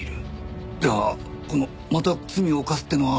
じゃあこの「また罪を犯す」っていうのは。